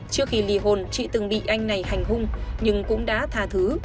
trước khi lì hồn chị từng bị anh này hành hung nhưng cũng đã thà thứ